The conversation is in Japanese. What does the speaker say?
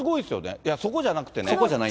いや、そこじゃなくてね。